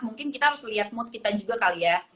mungkin kita harus lihat mood kita juga kali ya